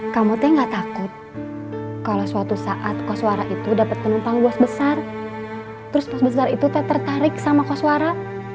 kamu tuh nggak takut kalau suatu saat koswara itu dapet penumpang bos besar terus bos besar itu tertarik sama koswara